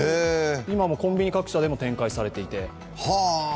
今もコンビニ各社でも展開されていて。